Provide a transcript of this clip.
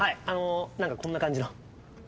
あのう何かこんな感じの。